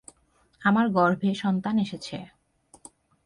আমার গর্ভে সন্তান এসেছে।